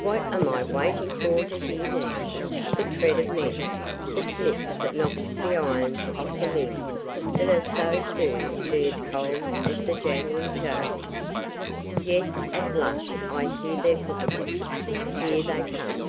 What am I waiting for to hear now? The tread of men; the smith that knocks the irons off the limbs that are so soon to be as cold as the jangling chains. Yes! at last I hear their footsteps here they come!